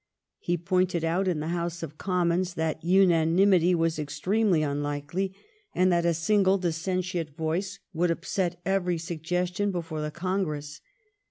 He pointed out in the House of Com mons that unanimity was extremely unlikely, and that a single dissentient voice would upset every suggestion before the Congress.